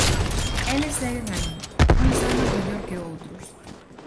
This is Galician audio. Eles seguen aí, uns anos mellor que outros.